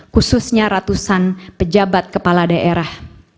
khususnya ratusan pejabat kepala daerah